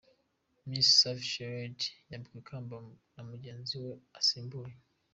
Miss Savvy Shields yambikwa ikamba na mugenzi we asimbuye.